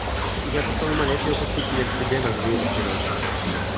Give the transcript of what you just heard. Я бы стал умолять ее пустить меня к себе на две или три ночи.